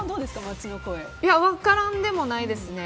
分からんでもないですね。